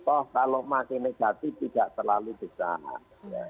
oh kalau masih negatif tidak terlalu besar